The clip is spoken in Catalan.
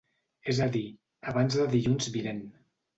És a dir, abans de dilluns vinent.